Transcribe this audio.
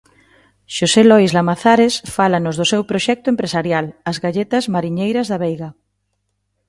Xosé Lois Lamazares fálanos do seu proxecto empresarial, as galletas mariñeiras Daveiga.